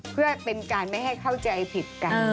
เพื่อเป็นการไม่ให้เข้าใจผิดกัน